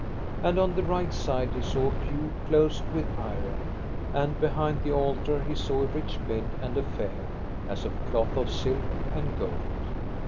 And on the right side he saw a pew closed with iron, and behind the altar he saw a rich bed and a fair, as of cloth of silk and gold.